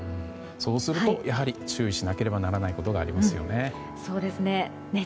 そうするとやはり注意しなければならないことがありますよね。